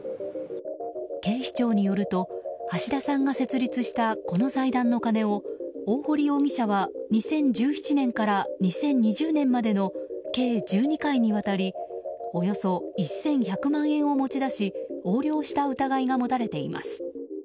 警視庁によると橋田さんが設立したこの財団の金を大堀容疑者は２０１７年から２０２０年までの計１２回にわたりおよそ１１００万円を持ち出し横領した疑いが持たれています。